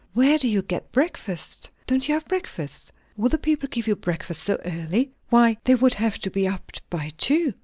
Where do you get breakfast? Don't you have breakfast? Will the people give you breakfast so early? Why, they would have to be up by two."